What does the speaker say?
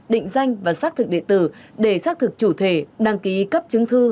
định danh và xác thực địa tử để xác thực chủ thể đăng ký cấp chứng thư